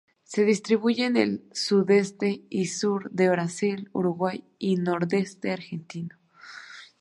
Se distribuye en el sudeste y sur de Brasil, Uruguay y nordeste argentino.